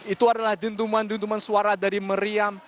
itu adalah dintuman dintuman suara dari meriam